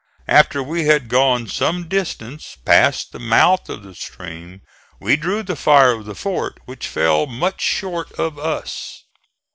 After we had gone some distance past the mouth of the stream we drew the fire of the fort, which fell much short of us.